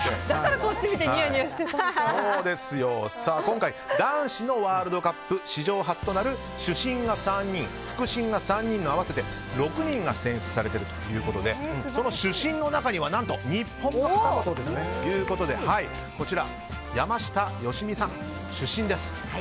今回、男子のワールドカップ史上初となる主審が３人、副審が３人の合わせて６人が選出されているということでその主審の中には日本の方もということで山下良美さん、主審です。